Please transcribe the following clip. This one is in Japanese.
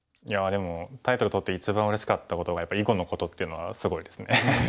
いやでもタイトル取って一番うれしかったことがやっぱ囲碁のことっていうのがすごいですね。